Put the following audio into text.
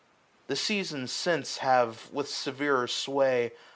315 The Seasons since have, with severer sway.